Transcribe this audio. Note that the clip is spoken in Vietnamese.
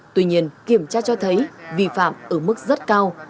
tuy nhiên kiểm tra cho thấy vi phạm ở mức rất cao